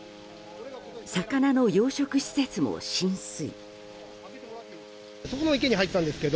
魚の養殖施設も浸水。